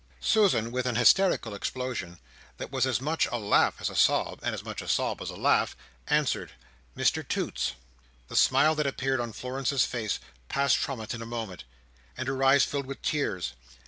Susan, with an hysterical explosion that was as much a laugh as a sob, and as much a sob as a laugh, answered, "Mr Toots!" The smile that appeared on Florence's face passed from it in a moment, and her eyes filled with tears.